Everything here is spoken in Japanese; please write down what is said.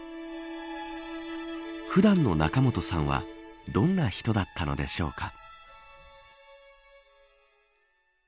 普段の仲本さんはどんな人だったのでしょうか。